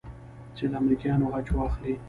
چې له امريکايانو غچ واخلې.